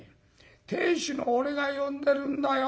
亭主の俺が呼んでるんだよ。